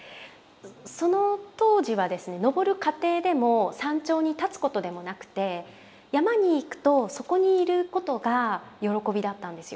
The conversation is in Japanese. その当時はですね登る過程でも山頂に立つことでもなくて山に行くとそこにいることが喜びだったんですよ。